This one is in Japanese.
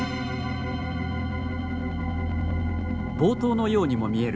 暴投のようにも見える